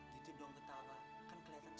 gitu dong ketawa kan kelihatan cantik